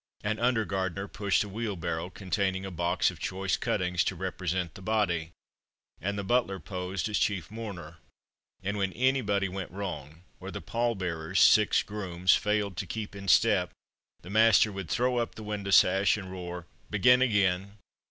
An under gardener pushed a wheelbarrow, containing a box of choice cuttings, to represent the body; and the butler posed as chief mourner. And when anybody went wrong, or the pall bearers six grooms failed to keep in step, the master would throw up the window sash, and roar "Begin again!"